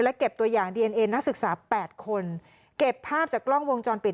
เก็บตัวอย่างดีเอนเอนักศึกษาแปดคนเก็บภาพจากกล้องวงจรปิด